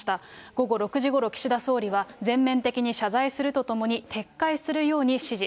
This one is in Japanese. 午後６時ごろ、岸田総理は、全面的に謝罪するとともに、撤回するように指示。